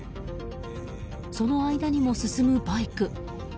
その間にも進むバイク。